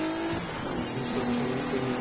আমার সর্দি সম্পর্কে তুমি কীভাবে জেনেছ?